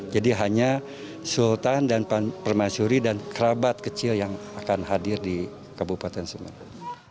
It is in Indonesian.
jadi hanya sultan dan permasuri dan kerabat kecil yang akan hadir di kabupaten sumedang